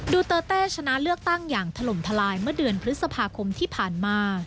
ดูเตอร์เต้ชนะเลือกตั้งอย่างถล่มทลายเมื่อเดือนพฤษภาคมที่ผ่านมา